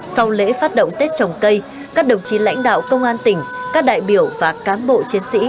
sau lễ phát động tết trồng cây các đồng chí lãnh đạo công an tỉnh các đại biểu và cám bộ chiến sĩ